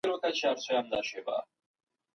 مخالفان هم مشتریان دي.